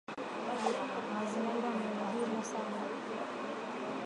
Mazingira ni muhimu sana.